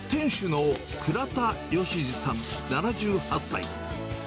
店主の倉田吉治さん７８歳。